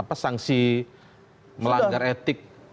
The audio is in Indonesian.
apakah sangsi melanggar etik